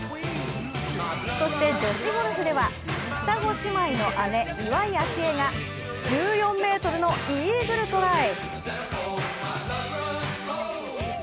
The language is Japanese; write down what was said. そして、女子ゴルフでは双子姉妹の姉岩井明愛が１４ｍのイーグルトライ。